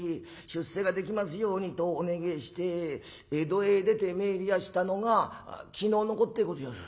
出世ができますように』とお願えして江戸へ出てめえりやしたのが昨日のこってごぜえやす」。